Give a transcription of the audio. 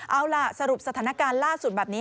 เอาล่ะสรุปสถานการณ์ล่าสุดแบบนี้